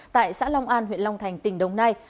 tại xã long an huyện long thành tỉnh đồng nai